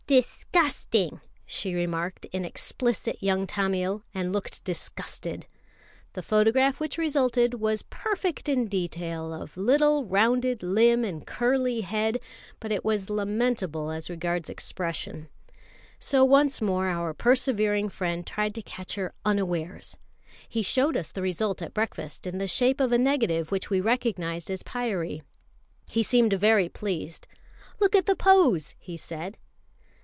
"Disgusting!" she remarked in explicit young Tamil, and looked disgusted. The photograph which resulted was perfect in detail of little rounded limb and curly head, but it was lamentable as regards expression; so once more our persevering friend tried to catch her unawares. He showed us the result at breakfast in the shape of a negative which we recognised as Pyârie. He seemed very pleased. "Look at the pose!" he said.